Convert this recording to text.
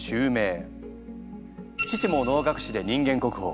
父も能楽師で人間国宝。